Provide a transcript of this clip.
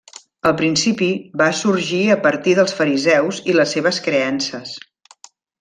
Al principi, va sorgir a partir dels fariseus i les seves creences.